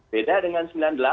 beda dengan sembilan puluh delapan